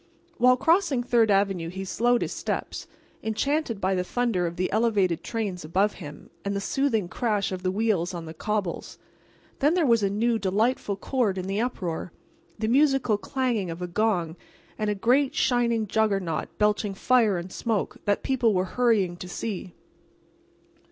While crossing Third avenue he slowed his steps, enchanted by the thunder of the elevated trains above him and the soothing crash of the wheels on the cobbles. And then there was a new, delightful chord in the uproar—the musical clanging of a gong and a great shining juggernaut belching fire and smoke, that people were hurrying to see.